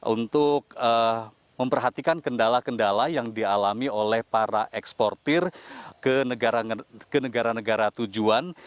untuk memperhatikan kendala kendala yang dialami oleh para eksportir ke negara negara tujuan